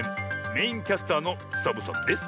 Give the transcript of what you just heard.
メインキャスターのサボさんです！